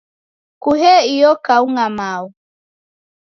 Kuhee iyo kaung'a Mao!